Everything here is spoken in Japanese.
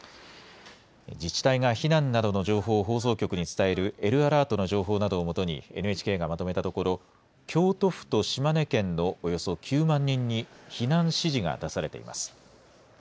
自治体が避難などの情報を放送局に伝えるＬアラートの情報などをもとにＮＨＫがまとめたところ京都府と島根県のおよそ９万人に避難指示が出されています。